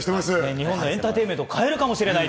日本のエンターテインメントを変えるかもしれない。